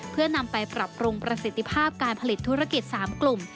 เพื่อนำไปปรับปรุงประสิทธิภาพการผลิตธุรกิจ๓กลุ่ม